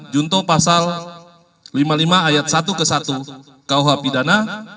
junto pasal lima puluh lima ayat satu ke satu kuh pidana